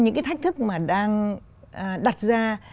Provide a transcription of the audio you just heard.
những cái thách thức mà đang đặt ra